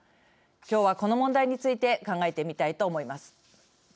今日はこの問題について考えてみたいと思います。